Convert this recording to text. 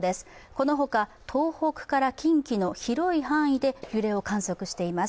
このほか、東北から近畿の広い範囲で揺れを観測しています。